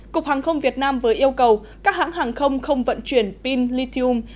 cục hàng không việt nam vừa yêu cầu các hãng hàng không không vận chuyển pin lithium